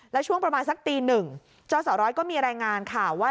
แล้วช่วงประมาณสักตีหนึ่งจสร้อยก็มีรายงานข่าวว่า